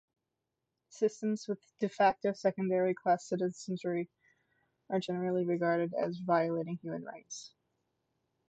Systems with "de facto" second-class citizenry are generally regarded as violating human rights.